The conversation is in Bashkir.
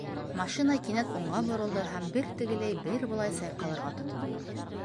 Машина кинәт уңға боролдо һәм бер тегеләй, бер былай сайҡалырға тотондо.